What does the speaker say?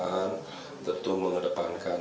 dan tentu mengedepankan